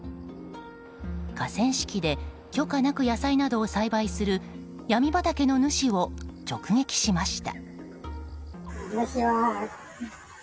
河川敷で、許可なく野菜などを栽培するヤミ畑の主を直撃しました。